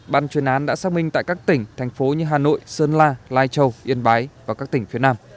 ban chuyên án đã xác minh tại các tỉnh thành phố như hà nội sơn la lai châu yên bái và các tỉnh phía nam